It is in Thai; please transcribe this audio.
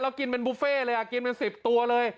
เรากินเป็นบุฟเฟ่เลยอ่ะกินเป็นสิบตัวเลย